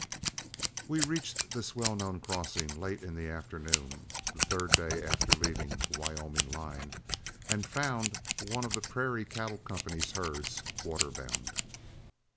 We reached this well known crossing late in the afternoon the third day after leaving the Wyoming line, and found one of the Prairie Cattle Company's herds water bound.